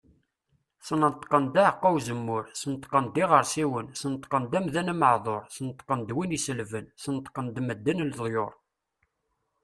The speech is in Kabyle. Sneṭqen-d aɛeqqa uzemmur, Sneṭqen-d iɣersiwen, Sneṭqen-d amdan ameɛdur, Sneṭqen-d win iselben, Sneṭqen-d medden leḍyur.